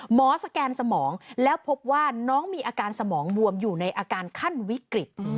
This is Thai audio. สแกนสมองแล้วพบว่าน้องมีอาการสมองบวมอยู่ในอาการขั้นวิกฤต